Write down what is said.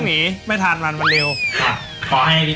บอกให้ดีครอลโกคค์ไหนว่างั้นเจ๊ค่อยต้องแดดตอนเนี่ย